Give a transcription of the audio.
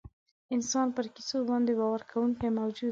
انسان پر کیسو باندې باور کوونکی موجود دی.